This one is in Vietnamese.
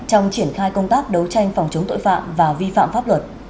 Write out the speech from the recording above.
trong triển khai công tác đấu tranh phòng chống tội phạm và vi phạm pháp luật